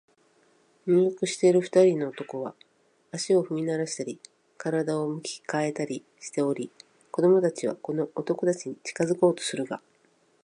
入浴している二人の男は、足を踏みならしたり、身体を向き変えたりしており、子供たちはこの男たちに近づこうとするが、